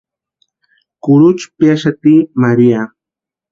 Kurhucha piaxati María.